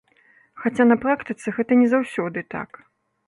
Хаця, на практыцы, гэта не заўсёды так.